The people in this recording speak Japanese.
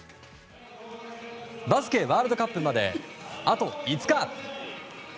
バスケワールドカップまであと５日。